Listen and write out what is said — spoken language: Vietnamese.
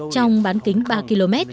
trong bán kính ba km